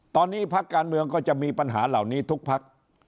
ตอนนี้พักการเมืองก็จะมีปัญหาเหล่านี้ทุกพัก